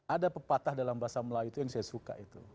ada pepatah dalam bahasa melayu itu yang saya suka itu